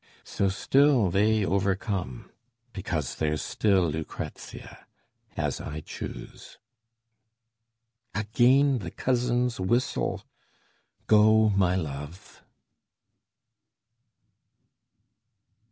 So still they overcome Because there's still Lucrezia, as I choose. Again the cousin's whistle! Go, my love.